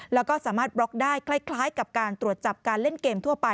แล้วก็สามารถบล็อกได้คล้ายกับการตรวจจับการเล่นเกมทั่วไป